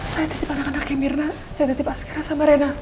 saya tetip anak anaknya mirna saya tetip askera sama rena